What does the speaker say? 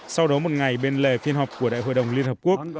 sau đó một ngày bên lề phiên họp của đại hội đồng liên hợp quốc